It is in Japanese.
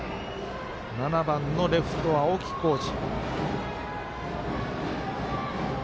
７番のレフト、青木虎仁。